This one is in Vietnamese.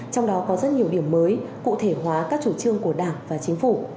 trong đó có rất nhiều điểm mới cụ thể hóa các chủ trương của đảng và chính phủ